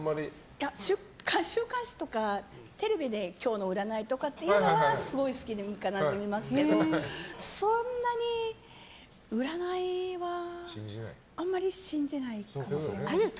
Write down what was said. いや、週刊誌とかテレビで今日の占いとかっていうのはすごい好きで見たりしますけどそんなに占いはあんまり信じないかもしれないですね。